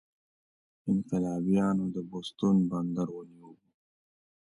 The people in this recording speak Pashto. انقلابیانو د بوستون بندر ونیو.